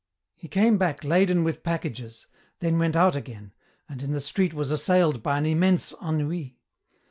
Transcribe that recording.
He came back laden with packages, then went out again, and in the street was assailed by an immense ennui.